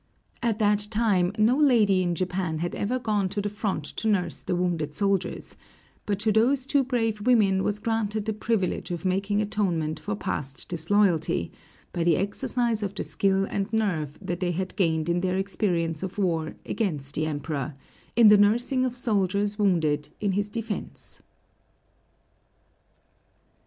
At that time, no lady in Japan had ever gone to the front to nurse the wounded soldiers; but to those two brave women was granted the privilege of making atonement for past disloyalty, by the exercise of the skill and nerve that they had gained in their experience of war against the Emperor, in the nursing of soldiers wounded in his defense.